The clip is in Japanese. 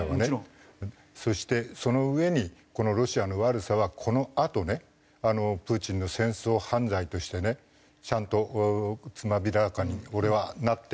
そしてそのうえにこのロシアの悪さはこのあとねプーチンの戦争犯罪としてねちゃんとつまびらかに俺はなっていくと信じてるのね。